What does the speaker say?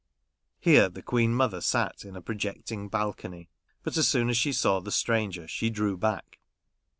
Here the Queen mother sat in a projecting balcony ; but as soon as she saw the stranger she drew back.